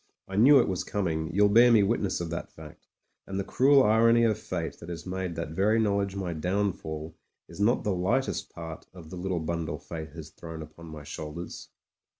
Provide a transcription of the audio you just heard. I knew it was coming — ^you'll bear me witness of that fact — and the cruel irony of fate that has made that very knowledge my downfall is not the lightest part of the little bundle fate has thrown on my shoulders.